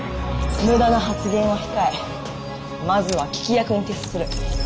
無駄な発言は控えまずは聞き役に徹する。